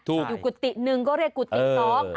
อยู่กุฏิหนึ่งก็เรียกกุฏิน้อง